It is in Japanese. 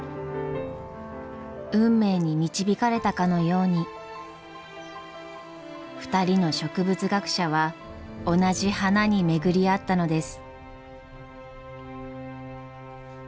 運命に導かれたかのように２人の植物学者は同じ花に巡り会ったのです。